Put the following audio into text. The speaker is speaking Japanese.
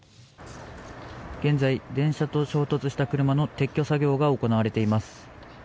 「現在、電車と衝突した車の撤去作業が行われています」